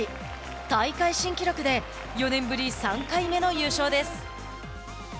大会新記録で４年ぶり３回目の優勝です。